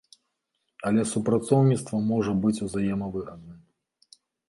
Але супрацоўніцтва можа быць узаемавыгадным.